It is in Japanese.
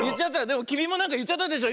でもきみもなんかいっちゃったでしょ